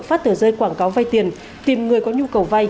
phát tờ rơi quảng cáo vai tiền tìm người có nhu cầu vai